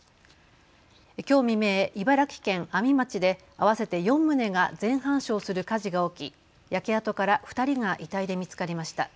きょう未明、茨城県阿見町で合わせて４棟が全半焼する火事が起き、焼け跡から２人が遺体で見つかりました。